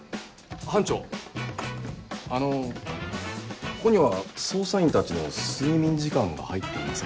班長あのここには捜査員たちの睡眠時間が入っていません。